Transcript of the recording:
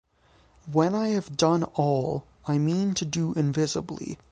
When I have done all I mean to do invisibly.